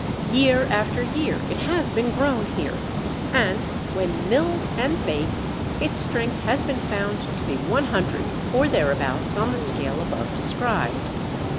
Year after year it has been grown here, and when milled and baked its strength has been found to be 100 or thereabouts on the scale above described.